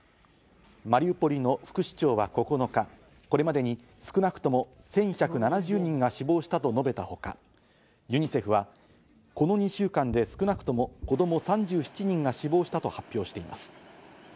マリウポリの副市長は９日、これまでに少なくとも１１７０人が死亡したと述べたほか、ユニセフはこの２週間で少なくとも子供３７人が死亡したと発表しています。